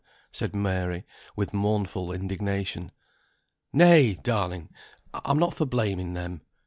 said Mary, with mournful indignation. "Nay, darling! I'm not for blaming them.